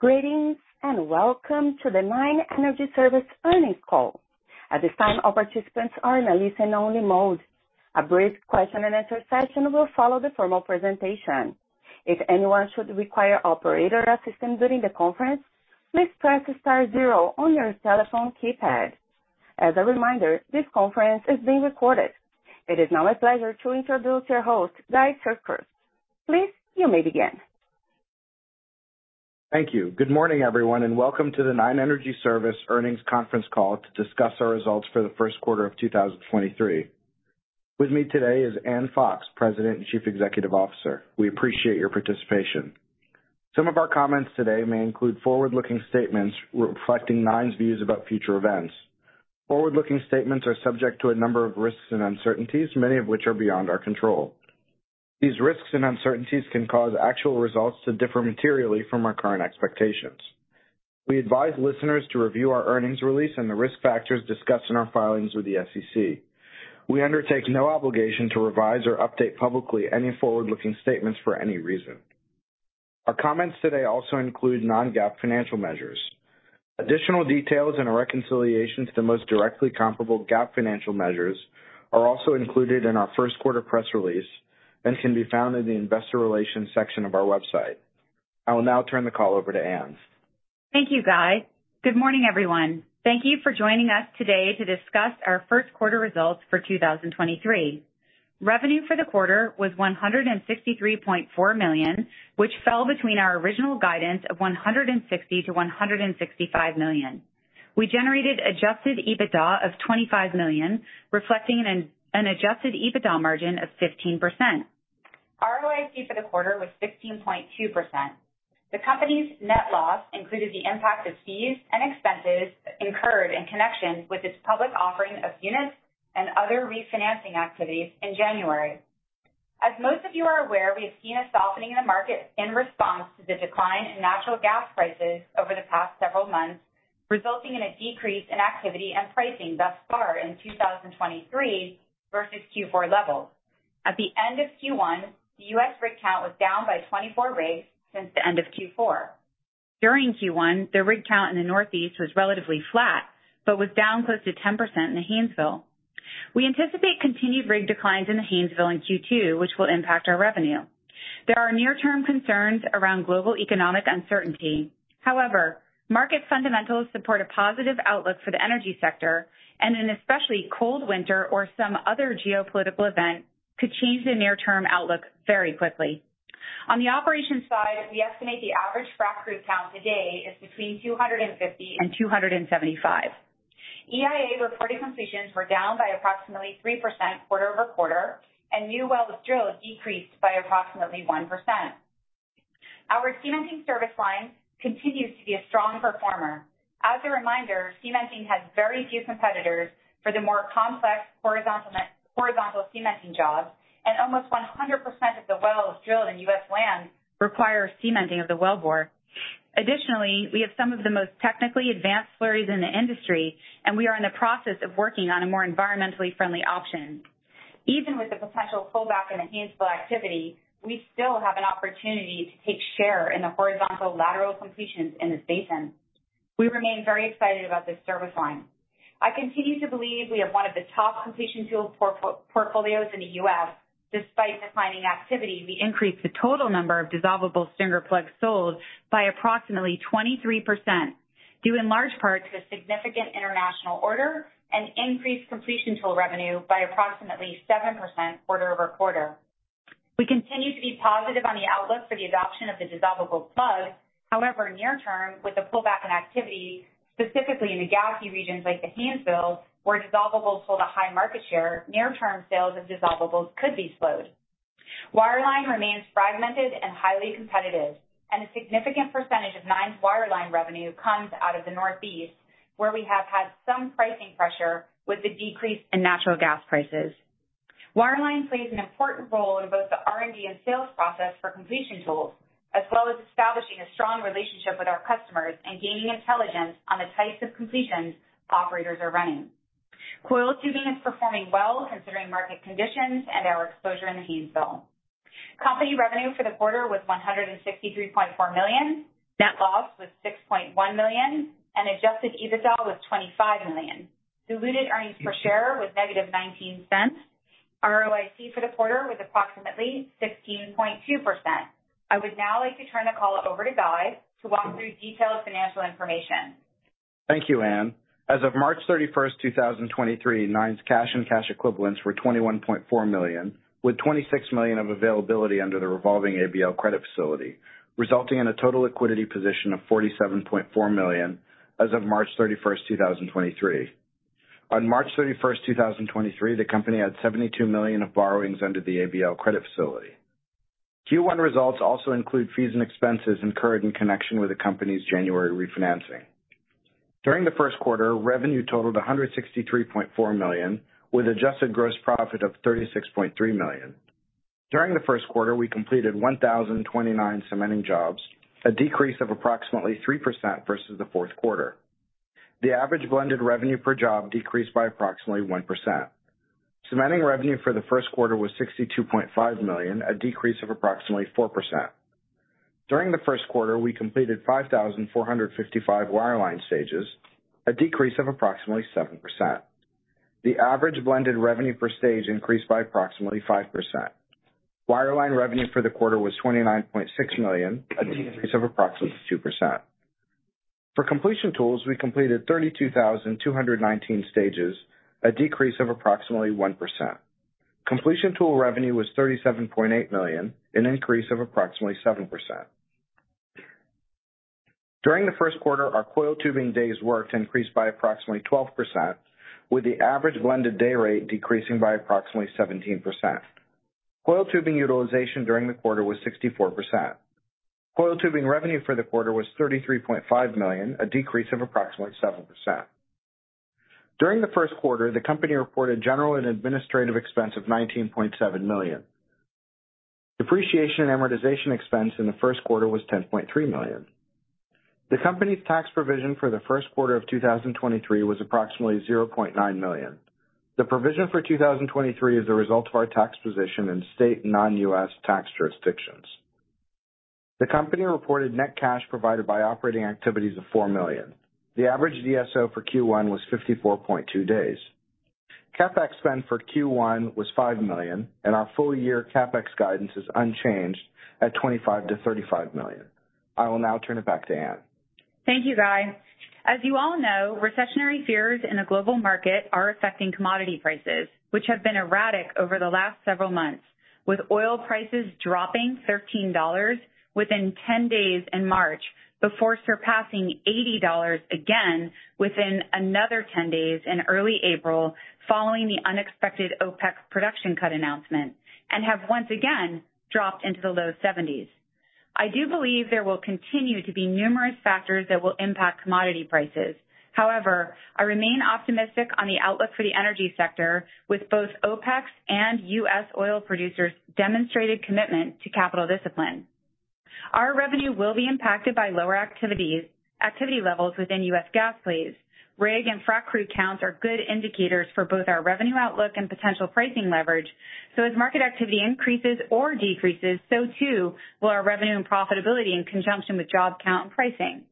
Greetings, welcome to the Nine Energy Service Earnings call. At this time, all participants are in a listen only mode. A brief question and answer session will follow the formal presentation. If anyone should require operator assistance during the conference, please press star zero on your telephone keypad. As a reminder, this conference is being recorded. It is now my pleasure to introduce your host, Guy Sirkes. Please, you may begin. Thank you. Good morning, everyone, and welcome to the Nine Energy Service Earnings conference call to discuss our results for the first quarter of 2023. With me today is Ann Fox, President and Chief Executive Officer. We appreciate your participation. Some of our comments today may include forward-looking statements reflecting Nine's views about future events. Forward-looking statements are subject to a number of risks and uncertainties, many of which are beyond our control. These risks and uncertainties can cause actual results to differ materially from our current expectations. We advise listeners to review our earnings release and the risk factors discussed in our filings with the SEC. We undertake no obligation to revise or update publicly any forward-looking statements for any reason. Our comments today also include non-GAAP financial measures. Additional details and a reconciliation to the most directly comparable GAAP financial measures are also included in our first quarter press release and can be found in the investor relations section of our website. I will now turn the call over to Ann. Thank you, Guy. Good morning, everyone. Thank you for joining us today to discuss our first quarter results for 2023. Revenue for the quarter was $163.4 million, which fell between our original guidance of $160 million-$165 million. We generated adjusted EBITDA of $25 million, reflecting an adjusted EBITDA margin of 15%. ROIC for the quarter was 16.2%. The company's net loss included the impact of fees and expenses incurred in connection with its public offering of units and other refinancing activities in January. As most of you are aware, we have seen a softening in the market in response to the decline in natural gas prices over the past several months, resulting in a decrease in activity and pricing thus far in 2023 versus Q4 levels. At the end of Q1, the U.S. rig count was down by 24 rigs since the end of Q4. During Q1, the rig count in the Northeast was relatively flat but was down close to 10% in the Haynesville. We anticipate continued rig declines in the Haynesville in Q2, which will impact our revenue. There are near-term concerns around global economic uncertainty. However, market fundamentals support a positive outlook for the energy sector, and an especially cold winter or some other geopolitical event could change the near-term outlook very quickly. On the operations side, we estimate the average frac crew count today is between 250 and 275. EIA reported completions were down by approximately 3% quarter-over-quarter, and new wells drilled decreased by approximately 1%. Our cementing service line continues to be a strong performer. As a reminder, cementing has very few competitors for the more complex horizontal cementing jobs. Almost 100% of the wells drilled in U.S. land require cementing of the wellbore. Additionally, we have some of the most technically advanced slurries in the industry. We are in the process of working on a more environmentally friendly option. Even with the potential pullback in the Haynesville activity, we still have an opportunity to take share in the horizontal lateral completions in this basin. We remain very excited about this service line. I continue to believe we have one of the top completion tool portfolios in the U.S. Despite declining activity, we increased the total number of dissolvable Stinger plugs sold by approximately 23%, due in large part to a significant international order and increased completion tool revenue by approximately 7% quarter-over-quarter. We continue to be positive on the outlook for the adoption of the dissolvable plug. However, near term, with the pullback in activity, specifically in the gassy regions like the Haynesville, where dissolvables hold a high market share, near-term sales of dissolvables could be slowed. Wireline remains fragmented and highly competitive, and a significant percentage of Nine's wireline revenue comes out of the Northeast, where we have had some pricing pressure with the decrease in natural gas prices. Wireline plays an important role in both the R&D and sales process for completion tools, as well as establishing a strong relationship with our customers and gaining intelligence on the types of completions operators are running. Coiled tubing is performing well considering market conditions and our exposure in the Haynesville. Company revenue for the quarter was $163.4 million. Net loss was $6.1 million. Adjusted EBITDA was $25 million. Diluted earnings per share was negative $0.19. ROIC for the quarter was approximately 16.2%. I would now like to turn the call over to Guy to walk through detailed financial information. Thank you, Ann. As of March 31, 2023, Nine's cash and cash equivalents were $21.4 million, with $26 million of availability under the revolving ABL credit facility, resulting in a total liquidity position of $47.4 million as of March 31, 2023. On March 31, 2023, the company had $72 million of borrowings under the ABL credit facility. Q1 results also include fees and expenses incurred in connection with the company's January refinancing. During the first quarter, revenue totaled $163.4 million, with adjusted gross profit of $36.3 million. During the first quarter, we completed 1,029 cementing jobs, a decrease of approximately 3% versus the fourth quarter. The average blended revenue per job decreased by approximately 1%. Cementing revenue for the first quarter was $62.5 million, a decrease of approximately 4%. During the first quarter, we completed 5,455 wireline stages, a decrease of approximately 7%. The average blended revenue per stage increased by approximately 5%. Wireline revenue for the quarter was $29.6 million, a decrease of approximately 2%. For completion tools, we completed 32,219 stages, a decrease of approximately 1%. Completion tool revenue was $37.8 million, an increase of approximately 7%. During the first quarter, our coiled tubing days worked increased by approximately 12%, with the average blended day rate decreasing by approximately 17%. Coiled tubing utilization during the quarter was 64%. Coiled tubing revenue for the quarter was $33.5 million, a decrease of approximately 7%. During the first quarter, the company reported general and administrative expense of $19.7 million. Depreciation and amortization expense in the first quarter was $10.3 million. The company's tax provision for the first quarter of 2023 was approximately $0.9 million. The provision for 2023 is a result of our tax position in state non-U.S. tax jurisdictions. The company reported net cash provided by operating activities of $4 million. The average DSO for Q1 was 54.2 days. CapEx spend for Q1 was $5 million, and our full year CapEx guidance is unchanged at $25 million-$35 million. I will now turn it back to Ann. Thank you, Guy. As you all know, recessionary fears in the global market are affecting commodity prices, which have been erratic over the last several months, with oil prices dropping $13 within 10 days in March, before surpassing $80 again within another 10 days in early April, following the unexpected OPEC production cut announcement, and have once again dropped into the low 70s. I do believe there will continue to be numerous factors that will impact commodity prices. However, I remain optimistic on the outlook for the energy sector, with both OPEC's and U.S. oil producers' demonstrated commitment to capital discipline. Our revenue will be impacted by lower activities, activity levels within U.S. gas plays. Rig and frac crew counts are good indicators for both our revenue outlook and potential pricing leverage, so as market activity increases or decreases, so too will our revenue and profitability in conjunction with job count and pricing.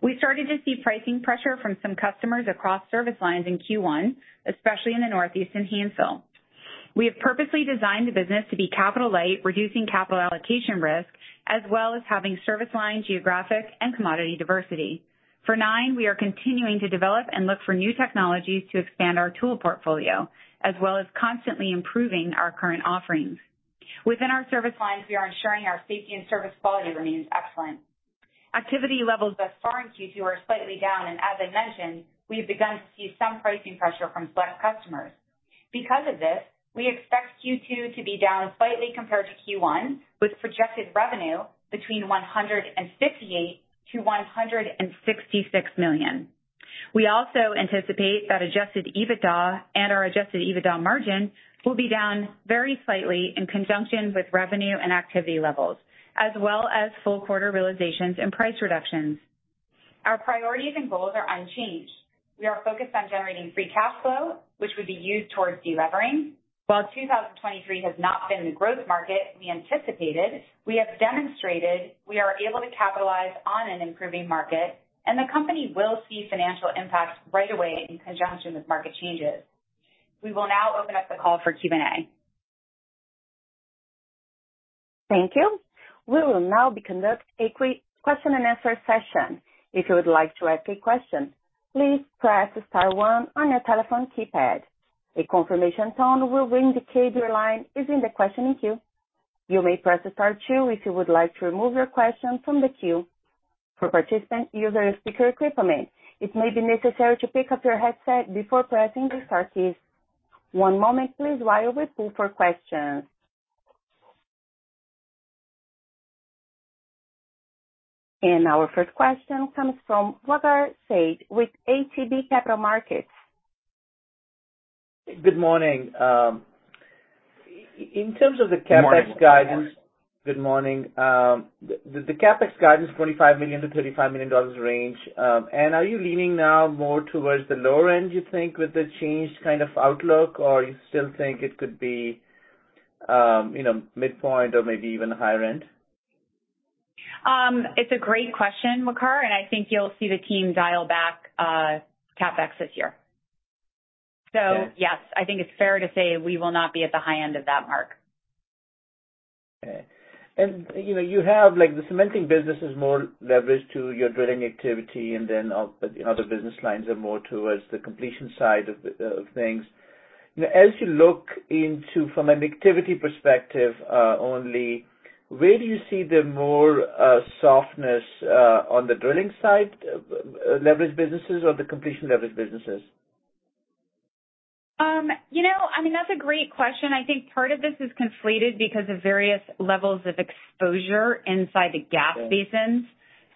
We started to see pricing pressure from some customers across service lines in Q1, especially in the Northeast and Haynesville. We have purposely designed the business to be capital light, reducing capital allocation risk, as well as having service line, geographic and commodity diversity. For Nine, we are continuing to develop and look for new technologies to expand our tool portfolio, as well as constantly improving our current offerings. Within our service lines, we are ensuring our safety and service quality remains excellent. Activity levels thus far in Q2 are slightly down, and as I mentioned, we have begun to see some pricing pressure from select customers. Because of this, we expect Q2 to be down slightly compared to Q1, with projected revenue between $158 million-$166 million. We also anticipate that adjusted EBITDA and our adjusted EBITDA margin will be down very slightly in conjunction with revenue and activity levels, as well as full quarter realizations and price reductions. Our priorities and goals are unchanged. We are focused on generating free cash flow, which would be used towards delevering. While 2023 has not been the growth market we anticipated, we have demonstrated we are able to capitalize on an improving market and the company will see financial impacts right away in conjunction with market changes. We will now open up the call for Q&A. Thank you. We will now be conduct a question and answer session. If you would like to ask a question, please press star one on your telephone keypad. A confirmation tone will indicate your line is in the questioning queue. You may press star two if you would like to remove your question from the queue. For participant using speaker equipment, it may be necessary to pick up your headset before pressing the star key. One moment please while we pull for questions. Our first question comes from Waqar Syed with ATB Capital Markets. Good morning. In terms of the CapEx guidance. Good morning. Good morning. The CapEx guidance, $45 million-$35 million range. Ann, are you leaning now more towards the lower end, you think, with the changed kind of outlook? Or you still think it could be, you know, midpoint or maybe even the higher end? It's a great question, Waqar, and I think you'll see the team dial back, CapEx this year. Yeah. Yes, I think it's fair to say we will not be at the high end of that mark. Okay. You know, you have, like, the cementing business is more leveraged to your drilling activity, and then all the other business lines are more towards the completion side of things. As you look into from an activity perspective, only, where do you see the more softness on the drilling side leveraged businesses or the completion leveraged businesses? You know, I mean, that's a great question. I think part of this is conflated because of various levels of exposure inside the gas basins.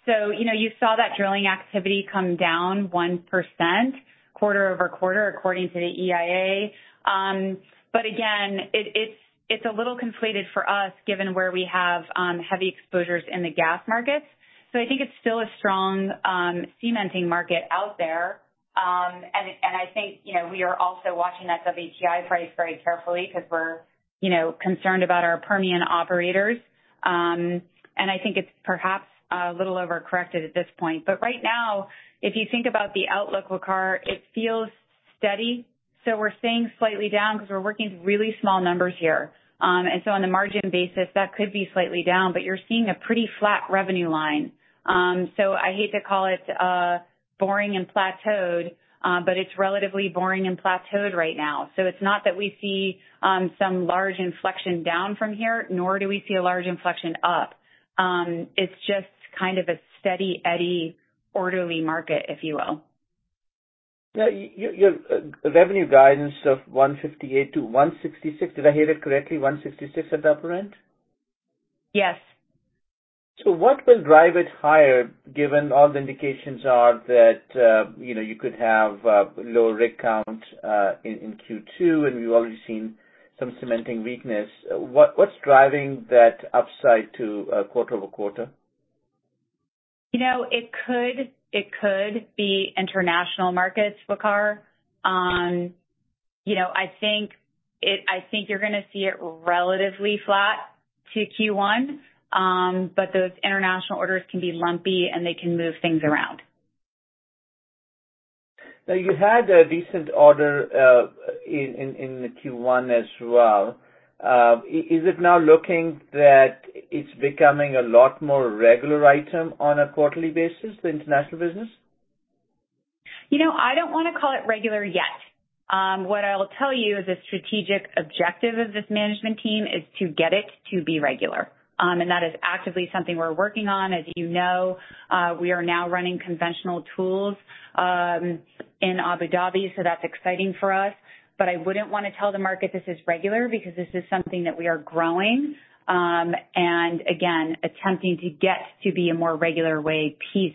You know, you saw that drilling activity come down 1% quarter-over-quarter according to the EIA. Again, it's a little conflated for us given where we have heavy exposures in the gas markets. I think it's still a strong cementing market out there. I think, you know, we are also watching that WTI price very carefully because we're, you know, concerned about our Permian operators. I think it's perhaps a little over-corrected at this point. Right now, if you think about the outlook, Waqar, it feels steady. We're staying slightly down because we're working with really small numbers here. On the margin basis, that could be slightly down, but you're seeing a pretty flat revenue line. I hate to call it boring and plateaued, but it's relatively boring and plateaued right now. It's not that we see some large inflection down from here, nor do we see a large inflection up. It's just kind of a steady Eddie orderly market, if you will. Your revenue guidance of $158 million-$166 million. Did I hear that correctly? $166 million at the upper end? Yes. What will drive it higher given all the indications are that, you know, you could have lower rig count in Q2, and we've already seen some cementing weakness. What's driving that upside to quarter-over-quarter? You know, it could, it could be international markets, Waqar. You know, I think you're gonna see it relatively flat to Q1. Those international orders can be lumpy, and they can move things around. Now, you had a decent order, in the Q1 as well. Is it now looking that it's becoming a lot more regular item on a quarterly basis, the international business? You know, I don't wanna call it regular yet. What I'll tell you is the strategic objective of this management team is to get it to be regular. That is actively something we're working on. As you know, we are now running conventional tools in Abu Dhabi, so that's exciting for us. I wouldn't wanna tell the market this is regular because this is something that we are growing, and again, attempting to get to be a more regular weigh piece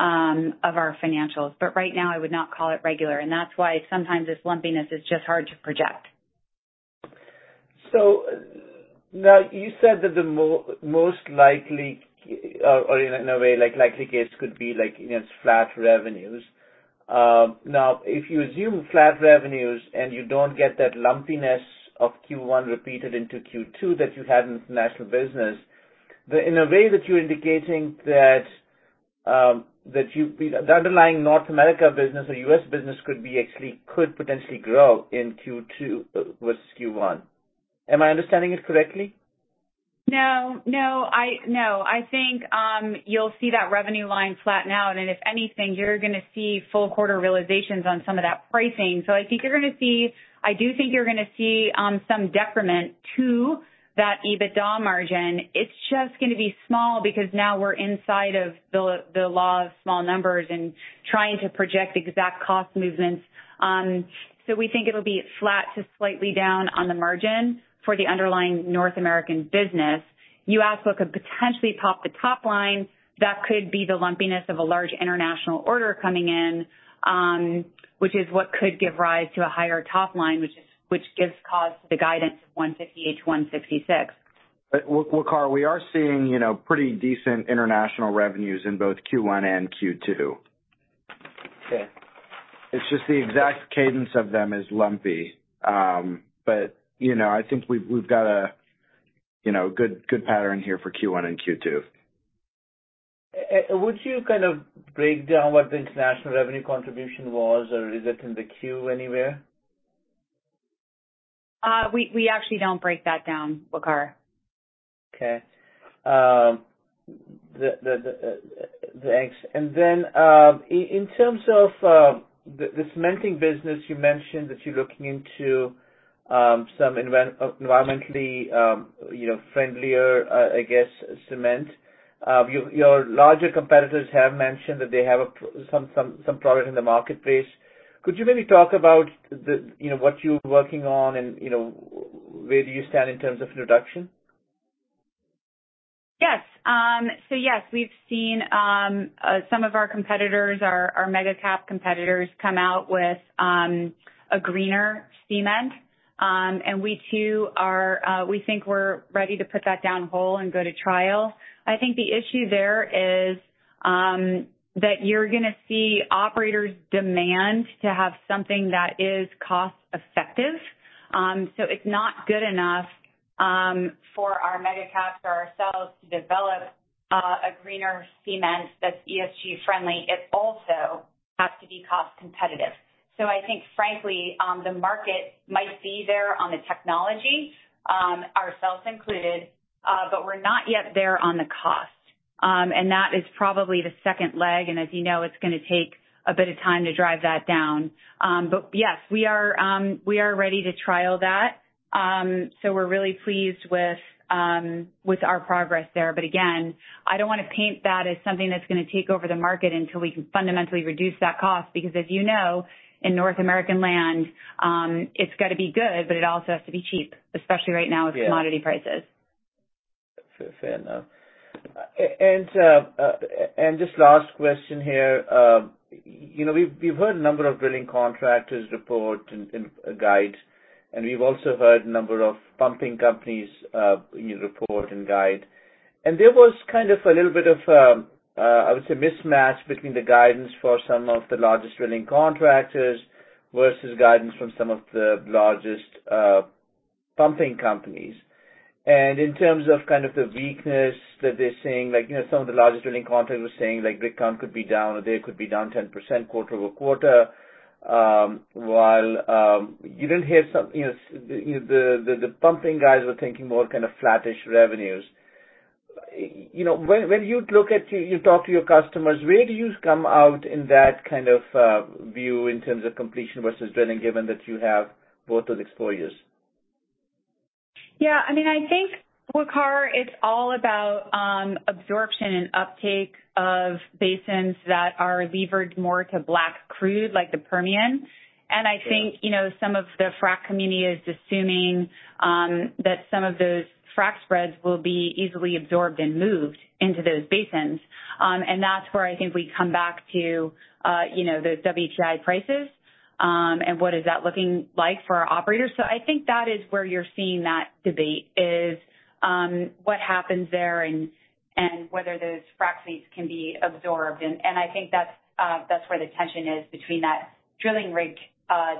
of our financials. Right now, I would not call it regular, and that's why sometimes this lumpiness is just hard to project. Now you said that the most likely or in a way, like, likely case could be, like, you know, it's flat revenues. Now, if you assume flat revenues and you don't get that lumpiness of Q1 repeated into Q2 that you had in international business, in a way that you're indicating that the underlying North America business or U.S. business could potentially grow in Q2 versus Q1. Am I understanding it correctly? No. No, I think, you'll see that revenue line flatten out. If anything, you're gonna see full quarter realizations on some of that pricing. I think you're gonna see. I do think you're gonna see, some decrement to that EBITDA margin. It's just gonna be small because now we're inside of the law of small numbers and trying to project exact cost movements. We think it'll be flat to slightly down on the margin for the underlying North American business. You ask what could potentially pop the top line, that could be the lumpiness of a large international order coming in, which is what could give rise to a higher top line, which is which gives cause to the guidance of $158-$166. Waqar, we are seeing, you know, pretty decent international revenues in both Q1 and Q2. Okay. It's just the exact cadence of them is lumpy. You know, I think we've got a, you know, good pattern here for Q1 and Q2. Would you kind of break down what the international revenue contribution was, or is it in the queue anywhere? We actually don't break that down, Waqar. Okay. The, thanks. In terms of the cementing business, you mentioned that you're looking into some environmentally, you know, friendlier, I guess, cement. Your larger competitors have mentioned that they have some product in the marketplace. Could you maybe talk about the, you know, what you're working on and, you know, where do you stand in terms of introduction? Yes. Yes, we've seen some of our competitors, our mega-cap competitors come out with a greener cement. We too are, we think we're ready to put that down hole and go to trial. I think the issue there is that you're gonna see operators demand to have something that is cost effective. It's not good enough for our mega caps or ourselves to develop a greener cement that's ESG friendly. It also has to be cost competitive. I think frankly, the market might be there on the technology, ourselves included, but we're not yet there on the cost. That is probably the second leg, and as you know, it's gonna take a bit of time to drive that down. Yes, we are, we are ready to trial that. We're really pleased with our progress there. Again, I don't wanna paint that as something that's gonna take over the market until we can fundamentally reduce that cost because as you know, in North American land, it's gotta be good, but it also has to be cheap, especially right now. Yeah. with commodity prices. Fair enough. Just last question here. You know, we've heard a number of drilling contractors report and guide, and we've also heard a number of pumping companies, you know, report and guide. There was kind of a little bit of, I would say mismatch between the guidance for some of the largest drilling contractors versus guidance from some of the largest pumping companies. In terms of kind of the weakness that they're seeing, like, you know, some of the largest drilling contractors were saying like rig count could be down or they could be down 10% quarter-over-quarter. While you didn't hear some, you know, the pumping guys were thinking more kind of flattish revenues. You know, when you look at your... you talk to your customers, where do you come out in that kind of view in terms of completion versus drilling, given that you have both of exposures? Yeah, I mean, I think, Waqar, it's all about absorption and uptake of basins that are levered more to black crude like the Permian. Yeah. I think, you know, some of the frack community is assuming that some of those frack spreads will be easily absorbed and moved into those basins. That's where I think we come back to, you know, those WTI prices, and what is that looking like for our operators. I think that is where you're seeing that debate is what happens there and whether those frack fleets can be absorbed. I think that's where the tension is between that drilling rig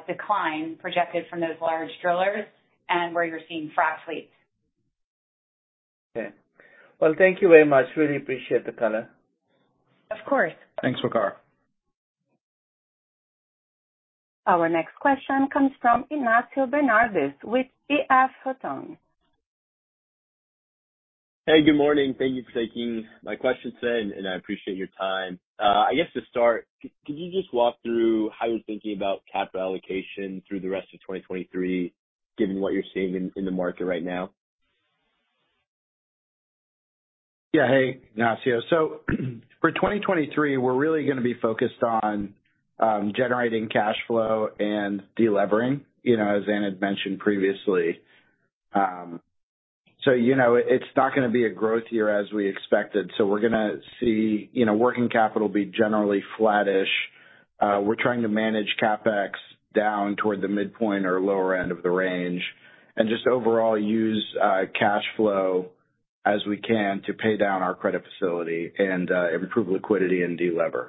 decline projected from those large drillers and where you're seeing frack fleets. Okay. Well, thank you very much. Really appreciate the color. Of course. Thanks, Waqar. Our next question comes from Ignacio Bernaldez with EF Hutton. Hey, good morning. Thank you for taking my question today. I appreciate your time. I guess to start, could you just walk through how you're thinking about capital allocation through the rest of 2023, given what you're seeing in the market right now? Yeah. Hey, Ignacio. For 2023, we're really gonna be focused on generating cash flow and delevering, you know, as Ann had mentioned previously. You know, it's not gonna be a growth year as we expected, so we're gonna see, you know, working capital be generally flattish. We're trying to manage CapEx down toward the midpoint or lower end of the range, and just overall use cash flow as we can to pay down our credit facility and improve liquidity and delever.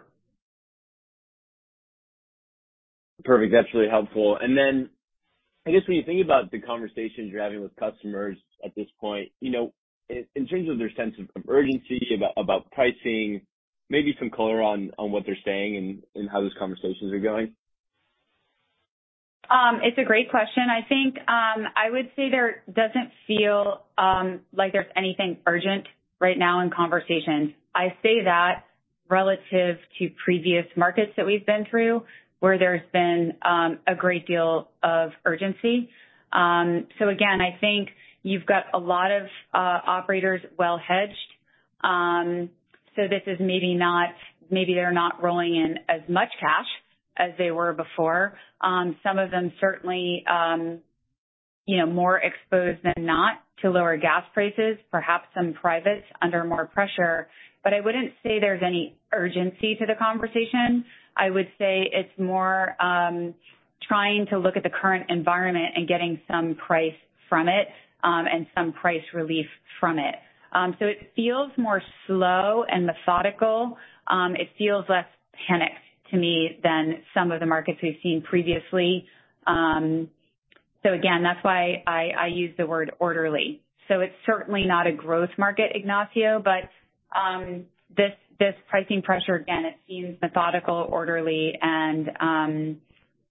Perfect. That's really helpful. I guess when you think about the conversations you're having with customers at this point, you know, in terms of their sense of urgency about pricing, maybe some color on what they're saying and how those conversations are going. It's a great question. I think, I would say there doesn't feel like there's anything urgent right now in conversations. I say that relative to previous markets that we've been through, where there's been a great deal of urgency. Again, I think you've got a lot of operators well hedged. This is maybe they're not rolling in as much cash as they were before. Some of them certainly, you know, more exposed than not to lower gas prices, perhaps some privates under more pressure. I wouldn't say there's any urgency to the conversation. I would say it's more trying to look at the current environment and getting some price from it, and some price relief from it. It feels more slow and methodical. It feels less panicked to me than some of the markets we've seen previously. Again, that's why I use the word orderly. It's certainly not a growth market, Ignacio. This pricing pressure, again, it seems methodical, orderly, and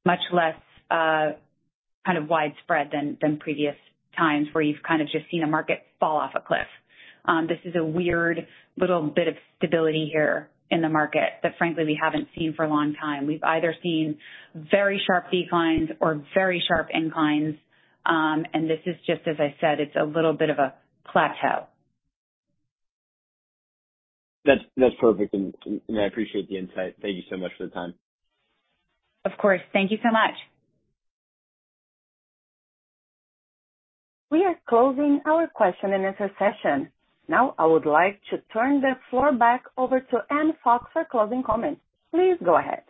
much less kind of widespread than previous times where you've kind of just seen a market fall off a cliff. This is a weird little bit of stability here in the market that frankly we haven't seen for a long time. We've either seen very sharp declines or very sharp inclines. This is just as I said, it's a little bit of a plateau. That's perfect. I appreciate the insight. Thank you so much for the time. Of course. Thank you so much. We are closing our question and answer session. Now, I would like to turn the floor back over to Ann Fox for closing comments. Please go ahead.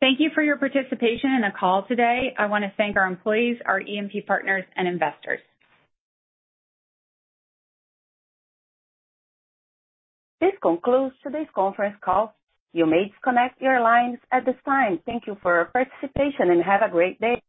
Thank you for your participation in the call today. I wanna thank our employees, our E&P partners, and investors. This concludes today's conference call. You may disconnect your lines at this time. Thank you for your participation, and have a great day.